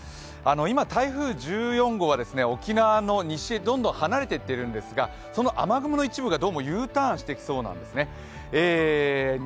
今、台風１４号は沖縄の西へどんどん離れていっているんですが、その雨雲の一部がどうもＵターンしてきそうなんですね。